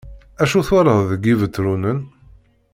Acu twalaḍ deg Ibetṛunen?